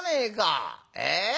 ええ？